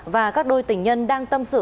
và các đôi tình nhân đang tâm sự